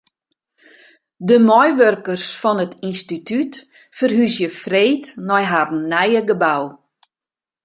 De meiwurkers fan it ynstitút ferhúzje freed nei harren nije gebou.